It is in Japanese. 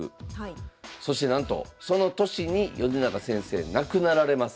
そしてなんとその年に米長先生亡くなられます。